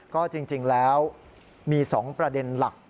ก็จริงแล้วมี๒ประเด็นหลัก